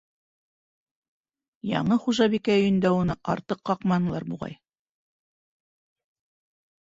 Яңы хужабикә өйөндә уны артыҡ ҡаҡманылар, буғай.